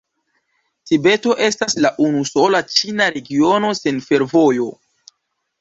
Tibeto estas la unusola ĉina regiono sen fervojo.